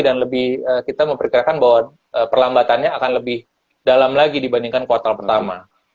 dan kita memperkirakan bahwa perlambatannya akan lebih dalam lagi dibandingkan kuartal pertama